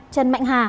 trần mạnh hà